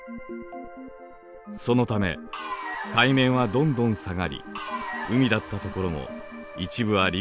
そのため海面はどんどん下がり海だった所も一部は陸地になりました。